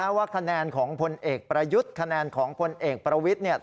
ว่าคะแนนของพลเอกประยุทธ์คะแนนของพลเอกประวิทย์เนี่ย